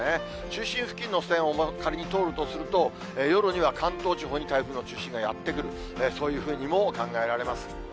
中心付近の線を仮に通るとすると、夜には関東地方に台風の中心がやって来る、そういうふうにも考えられます。